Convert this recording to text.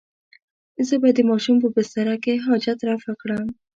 زه به د ماشوم په بستره کې حاجت رفع کړم.